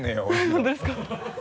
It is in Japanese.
本当ですか？